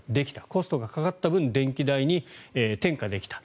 コストがかかった分電気代に転嫁できた。